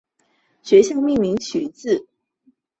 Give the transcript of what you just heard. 学院命名取自坎特伯雷的安瑟莫。